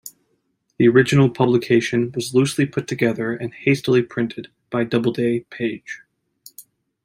The original publication was loosely put together and hastily printed by Doubleday, Page.